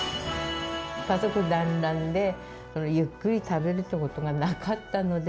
家族団らんで、ゆっくり食べるって事がなかったので。